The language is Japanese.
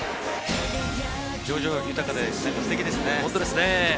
表情が豊かでステキですね。